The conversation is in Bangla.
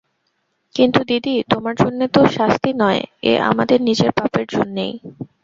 কিন্তু দিদি, তোমার জন্যে তো শাস্তি নয়, এ আমাদের নিজের পাপের জন্যেই।